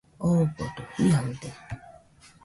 Odogo jiaɨde